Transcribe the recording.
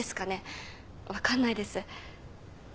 分かんないです。